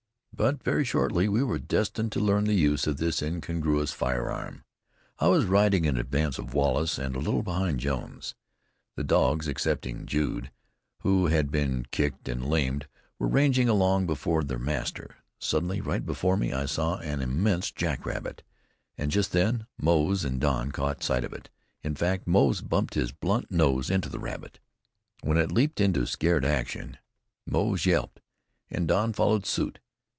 But very shortly we were destined to learn the use of this incongruous firearm. I was riding in advance of Wallace, and a little behind Jones. The dogs excepting Jude, who had been kicked and lamed were ranging along before their master. Suddenly, right before me, I saw an immense jack rabbit; and just then Moze and Don caught sight of it. In fact, Moze bumped his blunt nose into the rabbit. When it leaped into scared action, Moze yelped, and Don followed suit.